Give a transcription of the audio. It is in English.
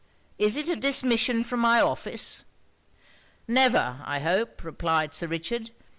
Is it a dismission from my office?' 'Never, I hope!' replied Sir Richard.